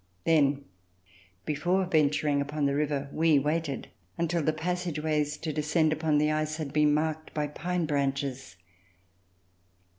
Then before venturing upon the river, we waited until the passageways to descend upon the ice had been marked by pine branches.